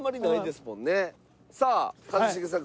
さあ一茂さん